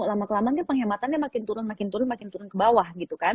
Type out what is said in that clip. lama kelamaan kan penghematannya makin turun makin turun makin turun ke bawah gitu kan